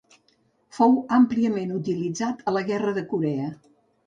Fou àmpliament utilitzat a la Guerra de Corea.